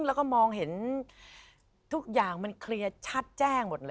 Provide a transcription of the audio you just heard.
แล้วก็มองเห็นทุกอย่างมันเคลียร์ชัดแจ้งหมดเลย